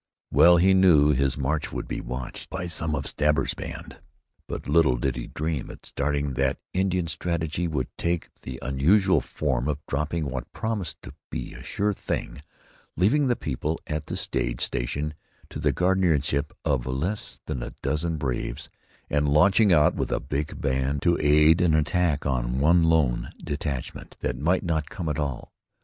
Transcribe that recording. Well he knew his march would be watched by some of Stabber's band, but little did he dream at starting that Indian strategy would take the unusual form of dropping what promised to be a sure thing, leaving the people at the stage station to the guardianship of less than a dozen braves, and launching out with a big band to aid a little one in attack on one lone detachment that might not come at all.